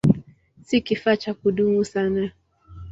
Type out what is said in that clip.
Si kifaa cha kudumu sana.